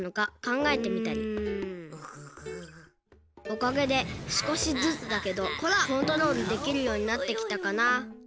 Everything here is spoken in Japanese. おかげですこしずつだけどコントロールできるようになってきたかな。